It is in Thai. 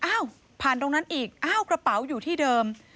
อ้าวผ่านตรงนั้นอีกอ้าวกระเป๋าอยู่ที่เดิม